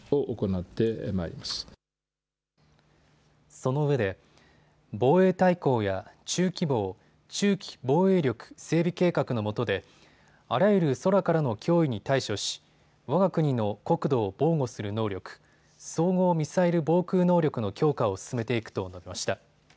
そのうえで防衛大綱や中期防・中期防衛力整備計画のもとであらゆる空からの脅威に対処しわが国の国土を防護する能力、総合ミサイル防空能力の強化を進めていくと述べました。